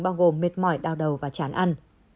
bao gồm mệt mỏi đau đầu và chán ăn